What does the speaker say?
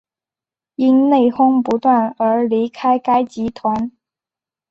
因内哄不断而离开该集团。